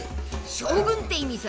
将軍って意味さ。